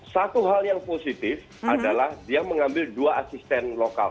satu hal yang positif adalah dia mengambil dua asisten lokal